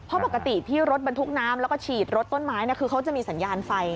เพราะปกติที่รถบรรทุกน้ำแล้วก็ฉีดรถต้นไม้คือเขาจะมีสัญญาณไฟ